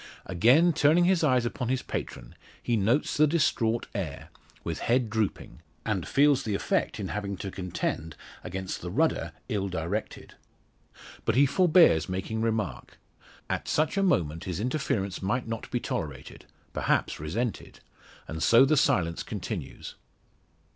Again turning his eyes upon his patron, he notes the distraught air, with head drooping, and feels the effect in having to contend against the rudder ill directed. But he forbears making remark. At such a moment his interference might not be tolerated perhaps resented. And so the silence continues.